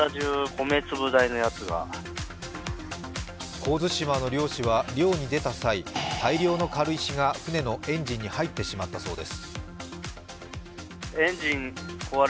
神津島の漁師は漁に出た際、大量の軽石がエンジンに入ってしまったそうです。